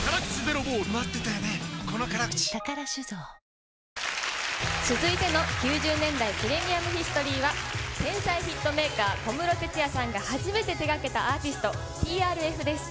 ピンポーン続いての９０年代プレミアムヒストリーは天才ヒットメーカー、小室哲哉さんが初めて手がけたアーティスト、ＴＲＦです。